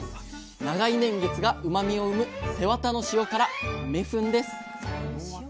長い年月がうまみを生む背わたの塩辛「めふん」です。